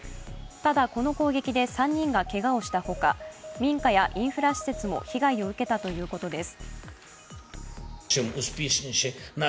ただこの攻撃で３人をけがしたほか民家やインフラ施設も被害を受けたということです。